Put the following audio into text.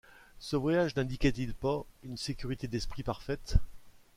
Ce voyage n'indiquait-il pas une sécurité d'esprit parfaite ?